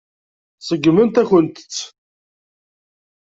Seggment-akent-tt.